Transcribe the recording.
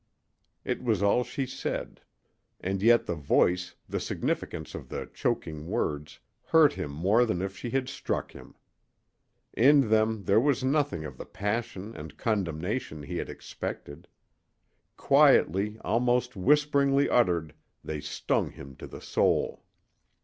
It was all she said, and yet the voice, the significance of the choking words, hurt him more than if she had struck him. In them there was none of the passion and condemnation he had expected. Quietly, almost whisperingly uttered, they stung him to the soul.